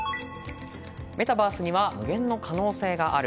メタバースには無限の可能性がある。